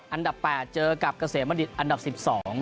อันดับ๘เจอกับเกษมบัณฑิตอันดับ๑๒